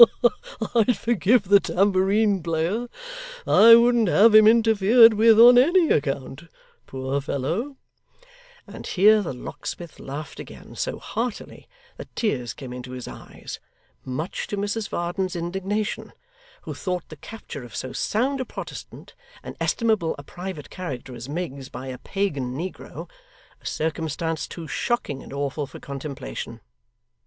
Ha ha ha! I'd forgive the tambourine player. I wouldn't have him interfered with on any account, poor fellow.' And here the locksmith laughed again so heartily, that tears came into his eyes much to Mrs Varden's indignation, who thought the capture of so sound a Protestant and estimable a private character as Miggs by a pagan negro, a circumstance too shocking and awful for contemplation.